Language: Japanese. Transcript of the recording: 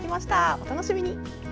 お楽しみに。